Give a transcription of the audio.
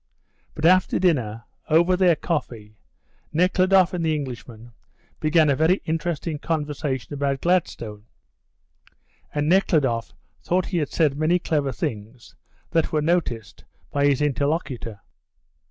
But after dinner, over their coffee, Nekhludoff and the Englishman began a very interesting conversation about Gladstone, and Nekhludoff thought he had said many clever things which were noticed by his interlocutor.